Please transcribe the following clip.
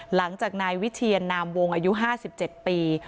หลังจากนายวิเชียนนามวงอายุ๕๗ปี